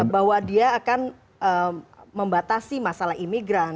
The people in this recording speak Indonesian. bahwa dia akan membatasi masalah imigran